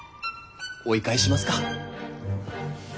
追い返しますか。